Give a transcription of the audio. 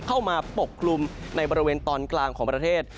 ปกคลุมในบริเวณตอนกลางของประเทศ